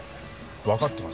わかってますよ。